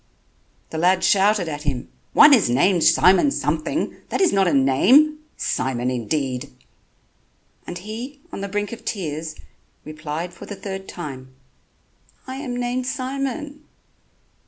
The lad shouted at him: "One is named Simon something ... that is not a name ... Simon indeed." And he, on the brink of tears, replied for the third time: "I am named Simon."